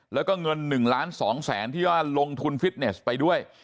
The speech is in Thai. แล้วก็เงิน๑ล้าน๒แสนที่ว่าลงทุนฟิตเนสไปด้วย